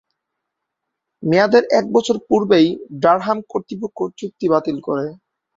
মেয়াদের এক বছর পূর্বেই ডারহাম কর্তৃপক্ষ চুক্তি বাতিল করে।